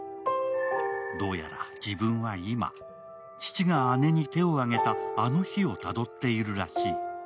どうやら自分は今、父が姉に手を上げたあの日をたどっているらしい。